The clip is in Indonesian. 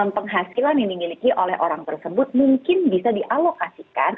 penghasilan yang dimiliki oleh orang tersebut mungkin bisa dialokasikan